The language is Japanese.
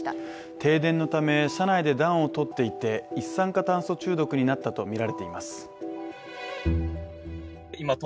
停電のため車内で暖をとっていて一酸化炭素中毒になったとみられています。